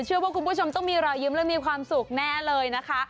เชื่อว่าคุณผู้ชมต้องมีรายยืมและมีความสุขแน่เลยนะคะ